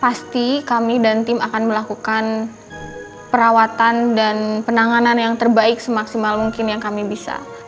pasti kami dan tim akan melakukan perawatan dan penanganan yang terbaik semaksimal mungkin yang kami bisa